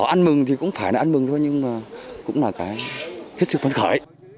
an mừng thì cũng phải là an mừng thôi nhưng mà cũng là cái kết sự phấn khởi